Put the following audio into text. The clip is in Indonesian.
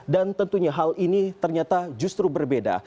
dan tentunya hal ini ternyata justru berbeda